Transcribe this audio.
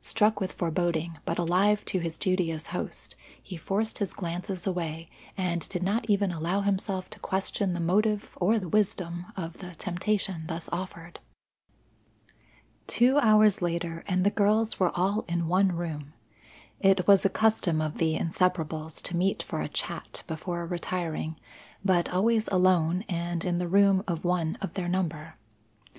Struck with foreboding, but alive to his duty as host, he forced his glances away, and did not even allow himself to question the motive or the wisdom of the temptation thus offered. Two hours later and the girls were all in one room. It was a custom of the Inseparables to meet for a chat before retiring, but always alone and in the room of one of their number.